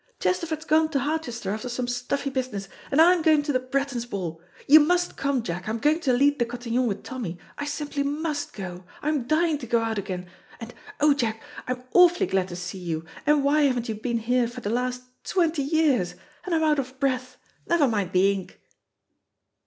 "Chesterford's gone to Harchester after some stuffy business, and I'm going to the Brettons' ball, you must come, Jack, I'm going to lead the cotillion with Tommy, I simply must go, I'm dying to go out again; and, oh, Jack, I'm awfully glad to see you, and why haven't you been here for the last twenty years, and I'm out of breath, never mind the ink."